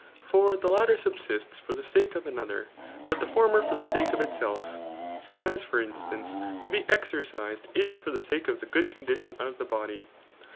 ] For the latter subsists for die sake of another, but the former for the sake of h* self; as, for instance, to be exercised is for the sake of the good condtdon of the body.